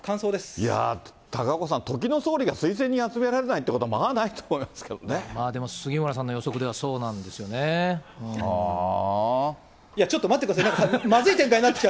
いやー、時の総理が推薦人集められないということはまあないと思いますけでも杉村さんの予測ではそうちょっと待ってください。